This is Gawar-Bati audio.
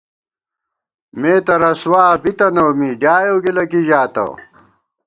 مےتہ رسوا بی تنَؤ می ، ڈیائېؤ گِلہ کی ژاتہ